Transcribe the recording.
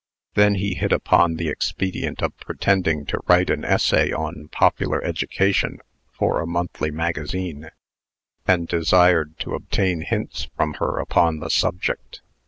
Then he hit upon the expedient of pretending to write an essay on Popular Education, for a monthly magazine, and desired to obtain hints from her upon the subject.